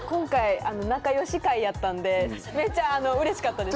やったんでめちゃうれしかったです。